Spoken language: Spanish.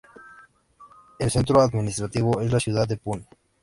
El centro administrativo es la ciudad de Pune.